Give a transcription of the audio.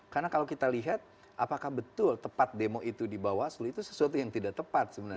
karena kalau kita lihat apakah betul tepat demo itu di bawah sulit itu sesuatu yang tidak tepat sebenarnya